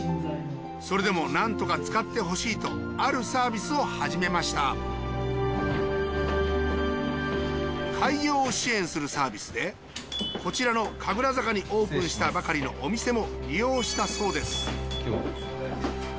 それでもなんとか使ってほしいとあるサービスを始めました開業を支援するサービスでこちらの神楽坂にオープンしたばかりのお店も利用したそうです